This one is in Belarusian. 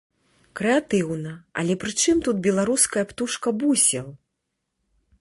Крэатыўна, але пры чым тут беларуская птушка бусел?